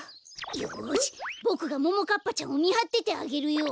よしボクがももかっぱちゃんをみはっててあげるよ。